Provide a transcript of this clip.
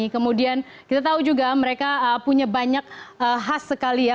kemudian kita tahu juga mereka punya banyak khas sekali ya